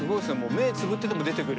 目つぶってても出てくる。